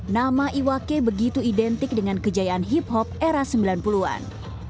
nama iwake begitu identik dengan kejayaan hip hop era sembilan puluh an